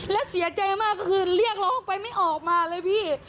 และเสียใจมากคือเรียกร้องไปไม่ออกมาเลยพี่